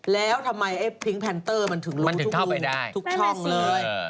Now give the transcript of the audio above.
แล้วทำไมไอ้พริงก์แพนเตอร์มันถึงรู้ทุกช่องเลย